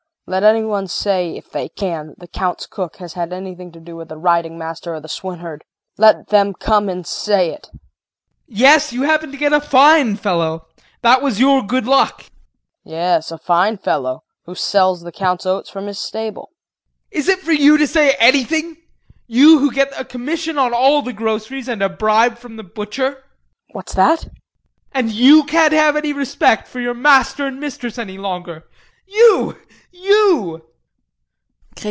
Let any one say, if they can, that the Count's cook has had anything to do with the riding master or the swineherd. Let them come and say it! JEAN. Yes, you happened to get a fine fellow. That was your good luck. KRISTIN. Yes, a fine fellow who sells the Count's oats from his stable. JEAN. Is it for you to say anything you who get a commission on all the groceries and a bribe from the butcher? KRISTIN. What's that? JEAN. And you can't have respect for your master and mistress any longer you, you!